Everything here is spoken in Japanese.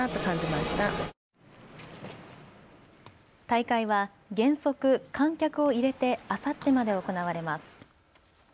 大会は原則、観客を入れてあさってまで行われます。